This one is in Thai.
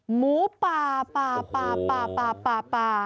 หมูป่าป่า